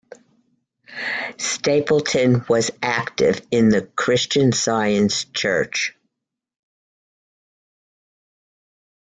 Stapleton was active in the Christian Science church.